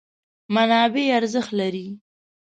منابع ارزښت لري.